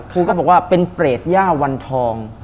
ครูก็บอกว่าเป็นเปรตย่าวันทอง